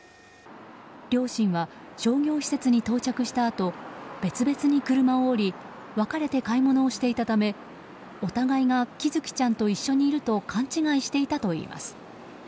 両親は商業施設に到着したあと別々に車を降り分かれて買い物をしていたためお互いが喜寿生ちゃんと一緒にいると勘違いしていたといいます。